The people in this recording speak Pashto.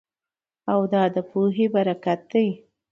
او دا د پوهې برکت دی